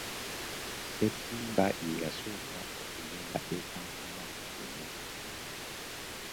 Ssettimba ye yasooka okugenda e Kampala kuno.